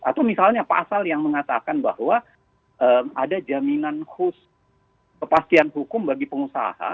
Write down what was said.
atau misalnya pasal yang mengatakan bahwa ada jaminan khusus kepastian hukum bagi pengusaha